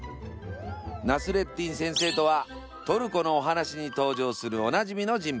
「ナスレッディン先生」とはトルコのお話に登場するおなじみの人物。